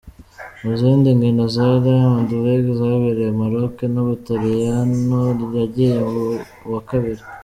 Mu zindi nkino za Diamond League zabereye Maroc n'Ubutaliyano yagiye aba uwa kabiri.